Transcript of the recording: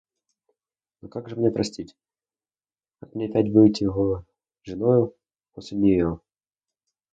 Но как же простить, как мне опять быть его женою после нее?